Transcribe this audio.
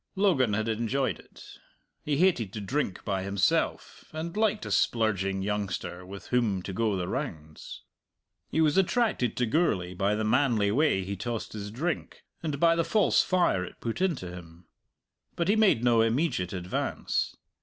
Logan had enjoyed it. He hated to drink by himself, and liked a splurging youngster with whom to go the rounds. He was attracted to Gourlay by the manly way he tossed his drink, and by the false fire it put into him. But he made no immediate advance.